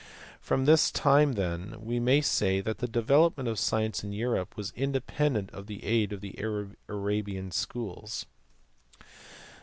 From this time then we may say that the development of science in Europe was independent of the aid of the Arabian schools.